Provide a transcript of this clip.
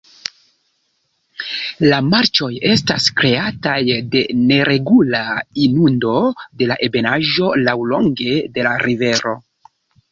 La marĉoj estas kreataj de neregula inundo de la ebenaĵo laŭlonge de la rivero.